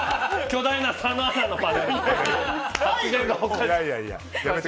巨大な佐野アナのパネル。